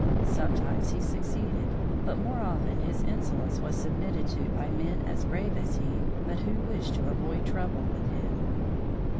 Sometimes he succeeded, but more often his insolence was submitted to by men as brave as he, but who wished to avoid trouble with him.